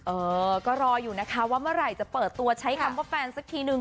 เออก็รออยู่นะคะว่าเมื่อไหร่จะเปิดตัวใช้คำว่าแฟนสักทีนึง